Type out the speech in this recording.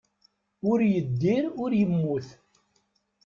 Ur yeddir ur yemmut.